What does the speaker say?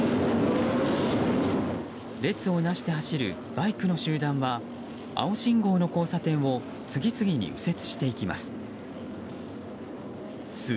列をなして走るバイクの集団は青信号の交差点を次々に右折していきます。